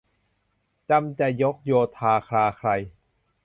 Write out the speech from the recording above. จำจะยกโยธาคลาไคล